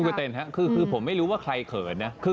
คุณปัจเทศครับคือผมไม่รู้ว่าใครเขินนะ